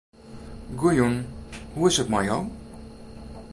Goejûn, hoe is 't mei jo?